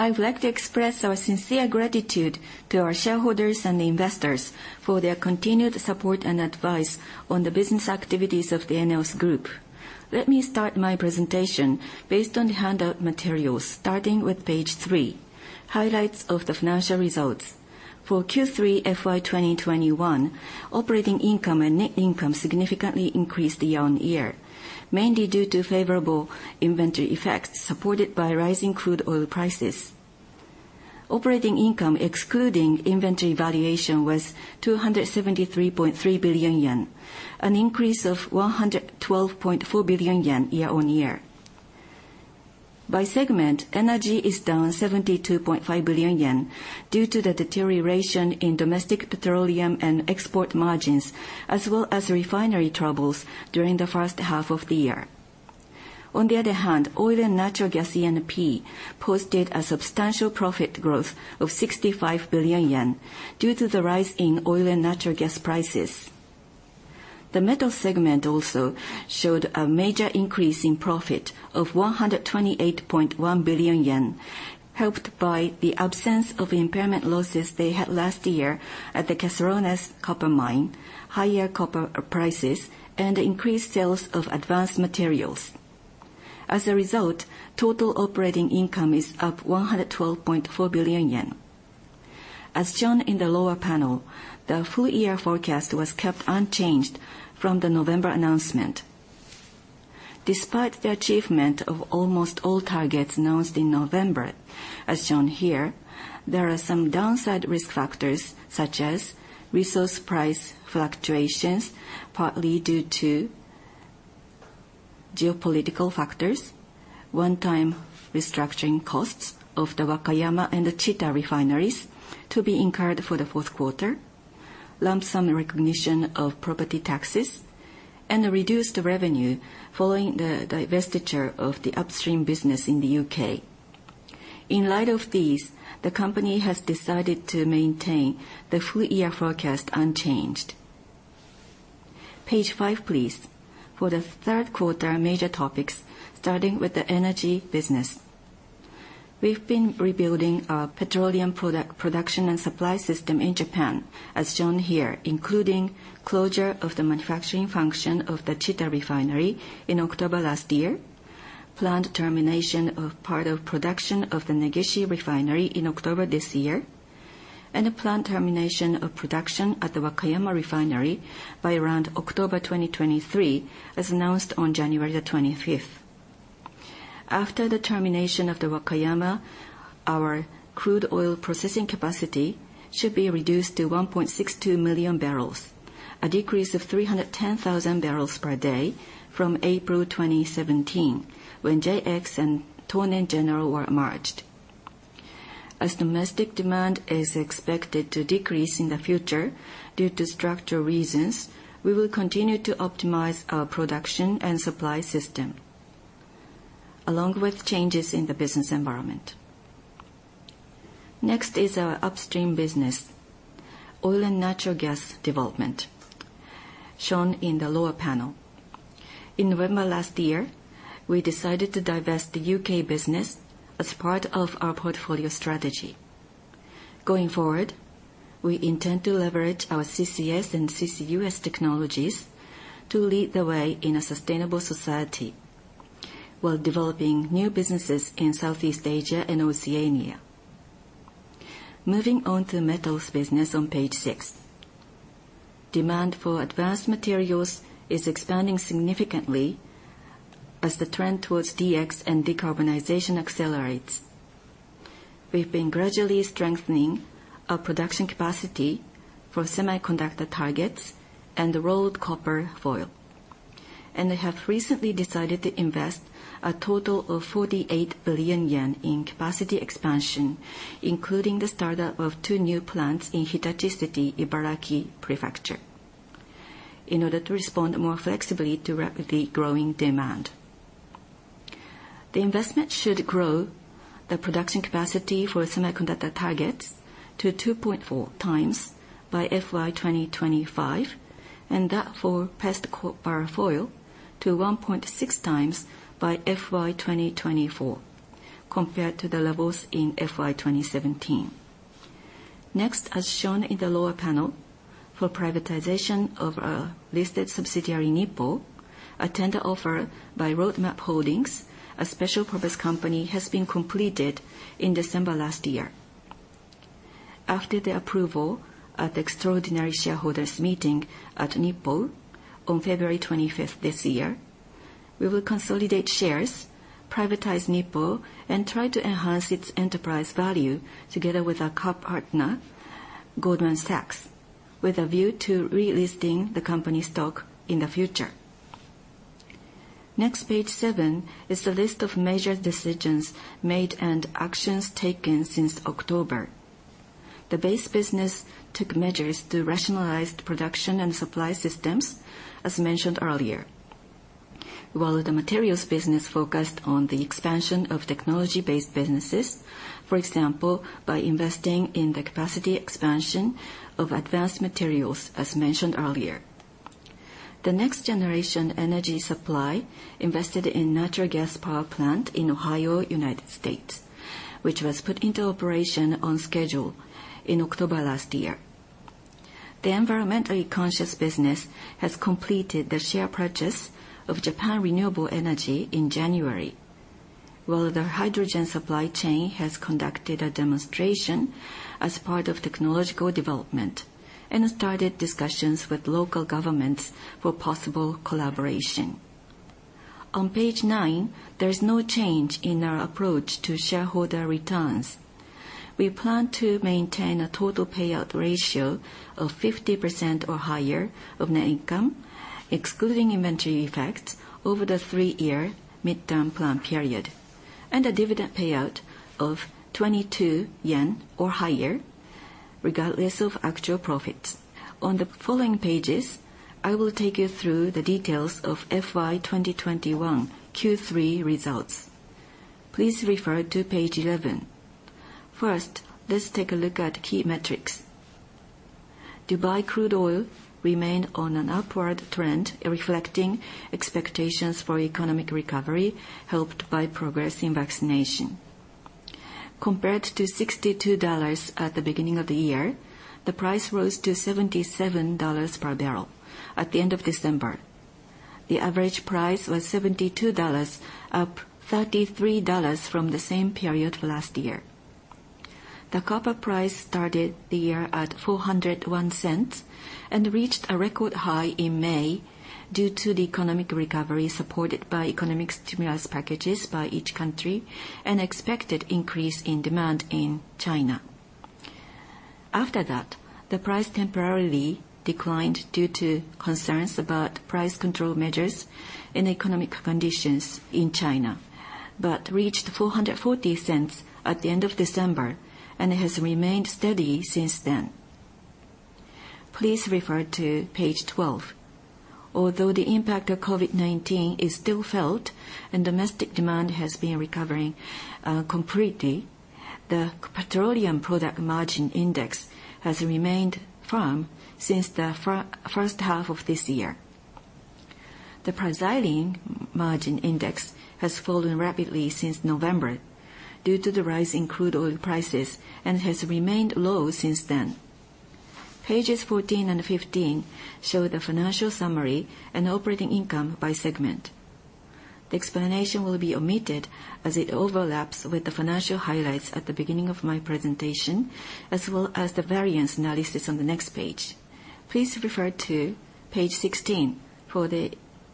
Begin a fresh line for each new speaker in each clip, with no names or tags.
I would like to express our sincere gratitude to our shareholders and investors for their continued support and advice on the business activities of the ENEOS Group. Let me start my presentation based on the handout materials, starting with page three, Highlights of the Financial Results. For Q3 FY 2021, operating income and net income significantly increased year-on-year, mainly due to favorable inventory effects supported by rising crude oil prices. Operating income, excluding inventory valuation, was 273.3 billion yen, an increase of 112.4 billion yen year-on-year. By segment, energy is down 72.5 billion yen due to the deterioration in domestic petroleum and export margins, as well as refinery troubles during the first half of the year. On the other hand, Oil & Natural Gas E&P posted a substantial profit growth of 65 billion yen due to the rise in oil and natural gas prices. The metals segment also showed a major increase in profit of 128.1 billion yen, helped by the absence of impairment losses they had last year at the Caserones copper mine, higher copper prices, and increased sales of advanced materials. As a result, total operating income is up 112.4 billion yen. As shown in the lower panel, the full year forecast was kept unchanged from the November announcement. Despite the achievement of almost all targets announced in November, as shown here, there are some downside risk factors, such as resource price fluctuations, partly due to geopolitical factors, one-time restructuring costs of the Wakayama and the Chita refineries to be incurred for the fourth quarter, lump sum recognition of property taxes, and a reduced revenue following the divestiture of the upstream business in the U.K. In light of this, the company has decided to maintain the full year forecast unchanged. Page five, please. For the third quarter major topics, starting with the energy business. We've been rebuilding our petroleum production and supply system in Japan, as shown here, including closure of the manufacturing function of the Chita Refinery in October last year, planned termination of part of production of the Negishi Refinery in October this year, and a planned termination of production at the Wakayama Refinery by around October 2023, as announced on January 25th. After the termination of the Wakayama, our crude oil processing capacity should be reduced to 1.62 million barrels, a decrease of 310,000 barrels per day from April 2017 when JX and TonenGeneral were merged. As domestic demand is expected to decrease in the future due to structural reasons, we will continue to optimize our production and supply system along with changes in the business environment. Next is our upstream business, oil and natural gas development, shown in the lower panel. In November last year, we decided to divest the U.K. business as part of our portfolio strategy. Going forward, we intend to leverage our CCS and CCUS technologies to lead the way in a sustainable society, while developing new businesses in Southeast Asia and Oceania. Moving on to the metals business on page six. Demand for advanced materials is expanding significantly as the trend towards DX and decarbonization accelerates. We've been gradually strengthening our production capacity for semiconductor targets and the rolled copper foil, and they have recently decided to invest a total of 48 billion yen in capacity expansion, including the startup of two new plants in Hitachi City, Ibaraki Prefecture, in order to respond more flexibly to rapidly growing demand. The investment should grow the production capacity for semiconductor targets to 2.4x by FY 2025, and that for rolled copper foil to 1.6x by FY 2024, compared to the levels in FY 2017. Next, as shown in the lower panel, for privatization of our listed subsidiary, NIPPO, a tender offer by Roadmap Holdings, a special purpose company, has been completed in December last year. After the approval at the extraordinary shareholders meeting at NIPPO on February 25th this year, we will consolidate shares, privatize NIPPO, and try to enhance its enterprise value together with our co-partner, Goldman Sachs, with a view to relisting the company stock in the future. Next, page seven is a list of major decisions made and actions taken since October. The base business took measures to rationalize the production and supply systems, as mentioned earlier, while the materials business focused on the expansion of technology-based businesses, for example, by investing in the capacity expansion of advanced materials, as mentioned earlier. The next generation energy supply invested in natural gas power plant in Ohio, United States, which was put into operation on schedule in October last year. The environmentally conscious business has completed the share purchase of Japan Renewable Energy in January, while the hydrogen supply chain has conducted a demonstration as part of technological development, and started discussions with local governments for possible collaboration. On page nine, there is no change in our approach to shareholder returns. We plan to maintain a total payout ratio of 50% or higher of net income, excluding inventory effects, over the three-year midterm plan period, and a dividend payout of 22 yen or higher, regardless of actual profits. On the following pages, I will take you through the details of FY 2021 Q3 results. Please refer to page 11. First, let's take a look at key metrics. Dubai crude oil remained on an upward trend, reflecting expectations for economic recovery, helped by progressing vaccination. Compared to $62 at the beginning of the year, the price rose to $77 per barrel at the end of December. The average price was $72, up $33 from the same period last year. The copper price started the year at $4.01, and reached a record high in May due to the economic recovery supported by economic stimulus packages by each country, and expected increase in demand in China. After that, the price temporarily declined due to concerns about price control measures and economic conditions in China, but reached $4.40 at the end of December, and has remained steady since then. Please refer to page 12. Although the impact of COVID-19 is still felt and domestic demand has been recovering completely, the petroleum product margin index has remained firm since the first half of this year. The processing margin index has fallen rapidly since November due to the rise in crude oil prices, and has remained low since then. Pages 14 and 15 show the financial summary and operating income by segment. The explanation will be omitted as it overlaps with the financial highlights at the beginning of my presentation, as well as the variance analysis on the next page. Please refer to page 16 for the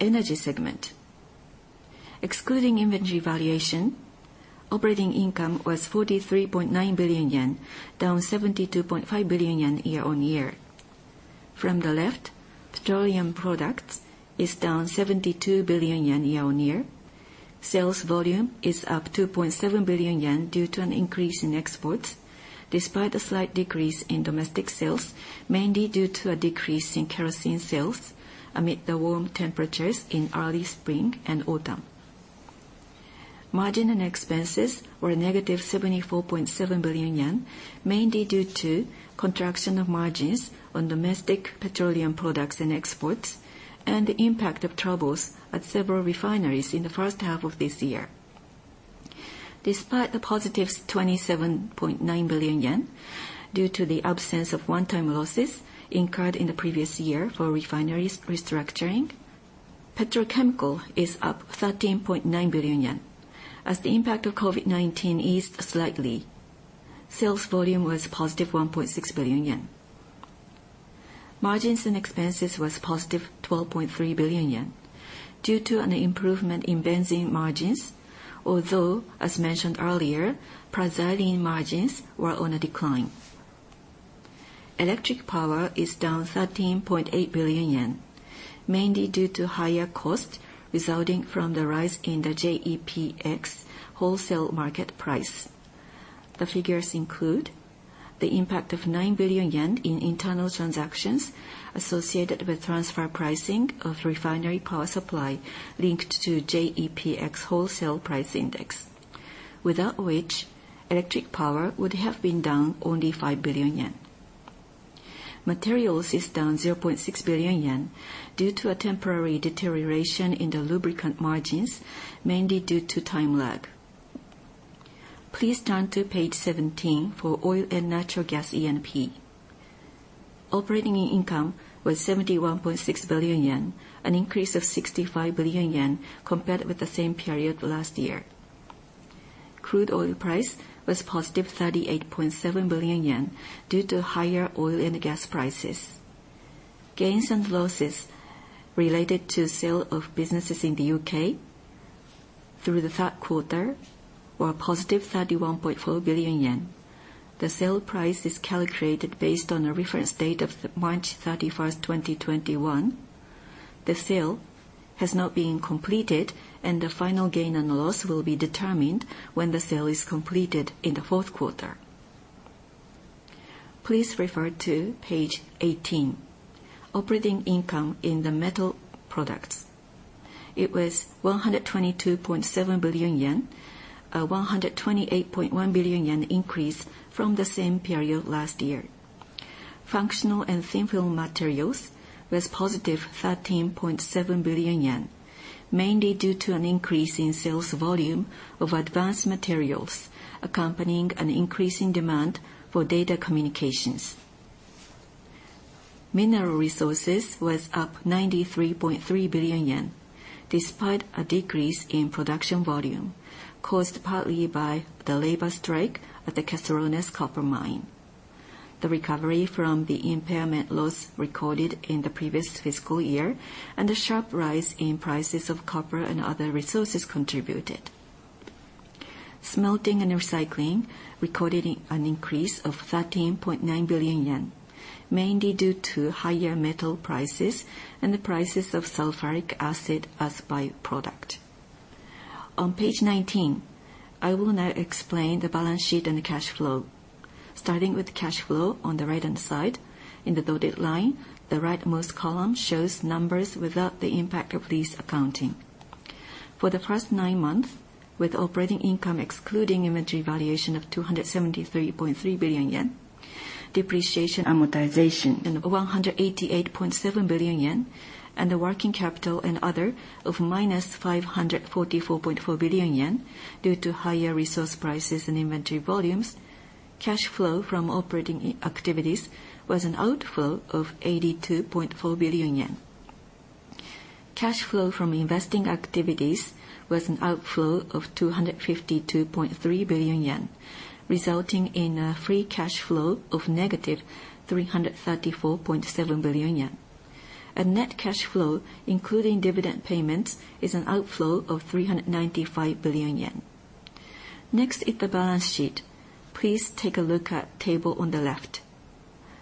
energy segment. Excluding inventory valuation, operating income was 43.9 billion yen, down 72.5 billion yen year-over-year. From the left, petroleum products is down 72 billion yen year-over-year. Sales volume is up 2.7 billion yen due to an increase in exports, despite a slight decrease in domestic sales, mainly due to a decrease in kerosene sales amid the warm temperatures in early spring and autumn. Margin and expenses were a negative 74.7 billion yen, mainly due to contraction of margins on domestic petroleum products and exports, and the impact of troubles at several refineries in the first half of this year. Despite the positive 27.9 billion yen due to the absence of one-time losses incurred in the previous year for refineries restructuring, petrochemical is up 13.9 billion yen. As the impact of COVID-19 eased slightly, sales volume was positive 1.6 billion yen. Margins and expenses was positive 12.3 billion yen due to an improvement in benzene margins, although, as mentioned earlier, paraxylene margins were on a decline. Electric power is down 13.8 billion yen, mainly due to higher costs resulting from the rise in the JEPX wholesale market price. The figures include the impact of 9 billion yen in internal transactions associated with transfer pricing of refinery power supply linked to JEPX wholesale price index, without which electric power would have been down only 5 billion yen. Materials is down 0.6 billion yen due to a temporary deterioration in the lubricant margins, mainly due to time lag. Please turn to page 17 for Oil & natural Gas E&P. Operating income was 71.6 billion yen, an increase of 65 billion yen compared with the same period last year. Crude oil price was +38.7 billion yen due to higher oil and gas prices. Gains and losses related to sale of businesses in the U.K. through the third quarter were +31.4 billion yen. The sale price is calculated based on a reference date of March 31st, 2021. The sale has not been completed, and the final gain and loss will be determined when the sale is completed in the fourth quarter. Please refer to page 18. Operating income in the Metal Products. It was 122.7 billion yen, a 128.1 billion yen increase from the same period last year. Functional Materials and Thin Film Materials was 13.7 billion yen, mainly due to an increase in sales volume of advanced materials accompanying an increase in demand for data communications. Mineral Resources was up 93.3 billion yen, despite a decrease in production volume caused partly by the labor strike at the Caserones copper mine. The recovery from the impairment loss recorded in the previous fiscal year and the sharp rise in prices of copper and other resources contributed. Smelting and Recycling recorded an increase of 13.9 billion yen, mainly due to higher metal prices and the prices of sulfuric acid as byproduct. On page 19, I will now explain the balance sheet and the cash flow. Starting with cash flow on the right-hand side, in the dotted line, the rightmost column shows numbers without the impact of lease accounting. For the first nine months, with operating income excluding inventory valuation of 273.3 billion yen, depreciation, amortization, and 188.7 billion yen, and the working capital and other of -544.4 billion yen due to higher resource prices and inventory volumes, cash flow from operating activities was an outflow of 82.4 billion yen. Cash flow from investing activities was an outflow of 252.3 billion yen, resulting in a free cash flow of -334.7 billion yen. A net cash flow, including dividend payments, is an outflow of 395 billion yen. Next is the balance sheet. Please take a look at table on the left.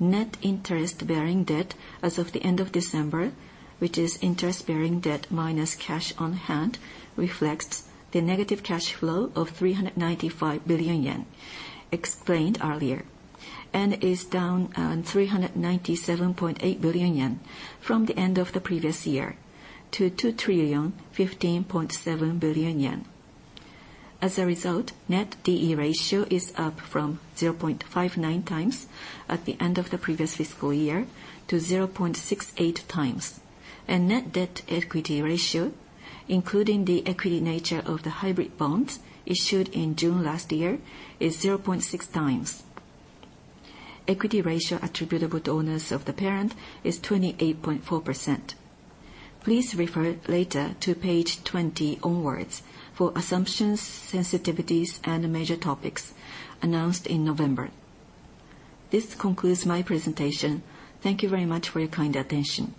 Net interest-bearing debt as of the end of December, which is interest-bearing debt minus cash on hand, reflects the negative cash flow of 395 billion yen explained earlier and is down 397.8 billion yen from the end of the previous year to 2,015.7 billion yen. As a result, net D/E ratio is up from 0.59x at the end of the previous fiscal year to 0.68x. Net debt equity ratio, including the equity nature of the hybrid bonds issued in June last year, is 0.6 x. Equity ratio attributable to owners of the parent is 28.4%. Please refer later to page 20 onwards for assumptions, sensitivities, and major topics announced in November. This concludes my presentation. Thank you very much for your kind attention.